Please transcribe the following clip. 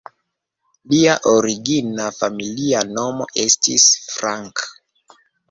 Lia origina familia nomo estis "Frank".